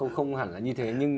không hẳn là như thế nhưng